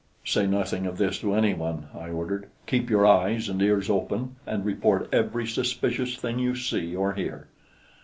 "Say nothing of this to anyone," I ordered. "Keep your eyes and ears open and report every suspicious thing you see or hear."